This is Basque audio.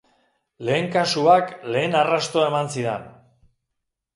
Lehen kasuak lehen arrastoa eman zidan.